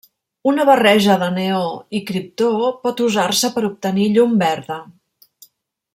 Una barreja de neó i criptó pot usar-se per obtenir llum verda.